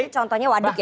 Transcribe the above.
itu contohnya waduk ya